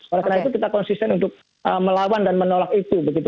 oleh karena itu kita konsisten untuk melawan dan menolak itu begitu